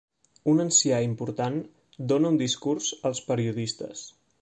Un ancià important dóna un discurs als periodistes.